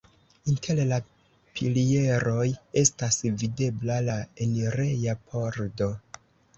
Inter la pilieroj estas videbla la enireja pordo.